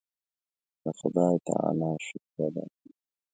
د خدای تعالی شکر ادا کوو.